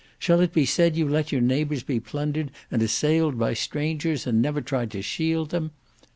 Shall it be said you let your neighbours be plundered and assailed by strangers and never tried to shield them?